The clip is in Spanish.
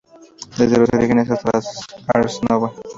Desde los orígenes hasta el ars nova.